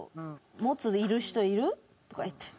「モツいる人いる？」とか言って。